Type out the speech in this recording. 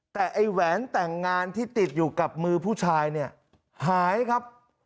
แต่ไอ้แหวนแต่งงานที่ติดอยู่กับมือผู้ชายเนี่ยหายครับ